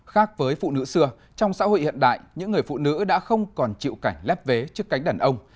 khác với phụ nữ xưa trong xã hội hiện đại những người phụ nữ đã không còn chịu cảnh lép vế trước cánh đàn ông